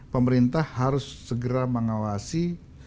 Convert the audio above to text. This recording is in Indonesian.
pemerintah harus segera mengawasi